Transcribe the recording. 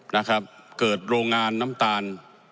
นะครับเกิดโรงงานน้ำตาล